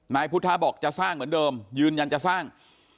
นายพุทธบอกจะสร้างเหมือนเดิมยืนยันจะสร้าง